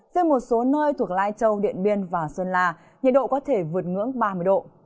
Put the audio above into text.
trên một số nơi thuộc lai châu điện biên và xuân là nhiệt độ có thể vượt ngưỡng ba mươi độ